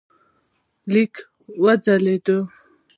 لیکه وځلېده.